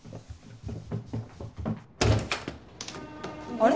あれ？